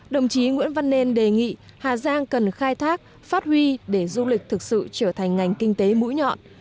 đồng chí nguyễn văn nên đề nghị hà giang cần khai thác phát huy để du lịch thực sự trở thành ngành kinh tế mũi nhọn